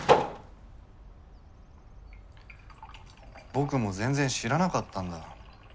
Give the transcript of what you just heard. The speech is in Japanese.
僕も全然知らなかったんだ。